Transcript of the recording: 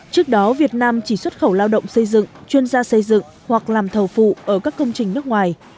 trước đó việt nam chỉ xuất khẩu lao động xây dựng chuyên gia xây dựng hoặc làm thầu phụ ở các công trình nước ngoài